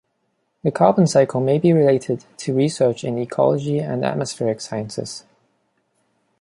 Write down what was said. The carbon cycle may be related to research in ecology and atmospheric sciences.